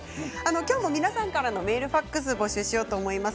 今日も皆さんからのメールファックスを募集します。